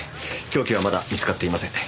凶器はまだ見つかっていません。